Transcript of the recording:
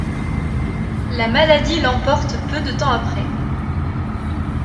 La maladie l'emporte peu de temps après.